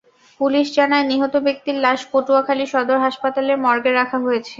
Police জানায়, নিহত ব্যক্তির লাশ পটুয়াখালী সদর হাসপাতালের মর্গে রাখা হয়েছে।